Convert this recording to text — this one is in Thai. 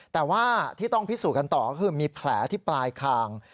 แต่ว่าที่ต้องพิสูจน์กันต่อก็คือมีแผลที่ปลายคาง